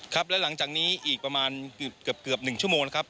ครับและหลังจากนี้อีกประมาณเกือบ๑ชั่วโมงนะครับ